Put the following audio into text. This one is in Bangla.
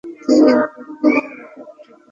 এরপর তিনি আরব এবং আফ্রিকার বিভিন্ন অংশে ভ্রমণ করেন।